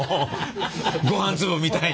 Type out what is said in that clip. ごはん粒みたいに！